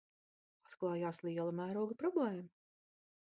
Atklājās liela mēroga problēma